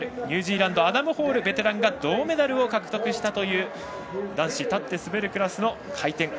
ニュージーランドのアダム・ホール、ベテランが銅メダルを獲得したという男子立って滑るクラスの回転